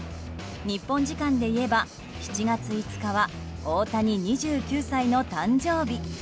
日本時間でいえば、７月５日は大谷２９歳の誕生日。